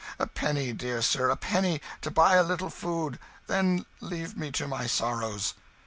A penny, dear sir, a penny, to buy a little food; then leave me to my sorrows."